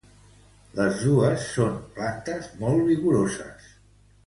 Els dos són plantes molt vigoroses.